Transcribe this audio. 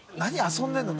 遊んでるの？」